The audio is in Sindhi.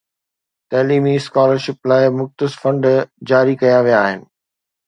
تعليمي اسڪالر شپ لاءِ مختص فنڊ جاري ڪيا ويا آهن.